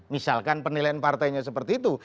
misalkan penilaian partainya seperti itu